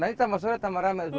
nanti tambah sore tambah rame